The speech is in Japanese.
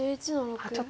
あっちょっと。